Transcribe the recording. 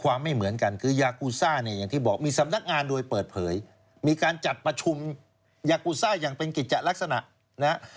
ไม่เหมือนกันคือยากูซ่าเนี่ยอย่างที่บอกมีสำนักงานโดยเปิดเผยมีการจัดประชุมยากูซ่าอย่างเป็นกิจจะลักษณะนะฮะ